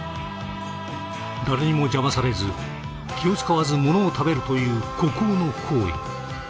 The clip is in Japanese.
誰にも邪魔されず気を遣わずものを食べるという孤高の行為。